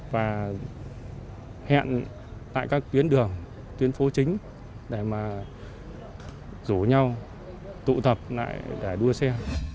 và hẹn tại các tuyến đường tuyến phố chính để mà rủ nhau tụ tập lại để đua xe